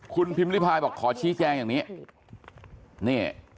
คุณพิมพิพายบอกขอชี้แจงอย่างนี้นี่